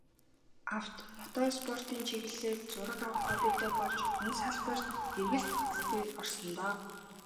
Авто, мото спортын чиглэлээр зураг авах хоббитой болж, энэ салбарт эргэлт буцалтгүй орсон доо.